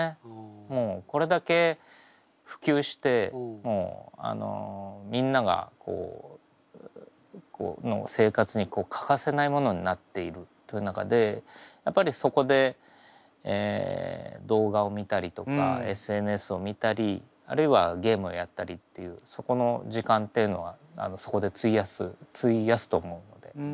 もうこれだけ普及してみんなの生活に欠かせないものになっているという中でやっぱりそこで動画を見たりとかＳＮＳを見たりあるいはゲームをやったりっていうそこの時間っていうのはそこで費やすと思うので。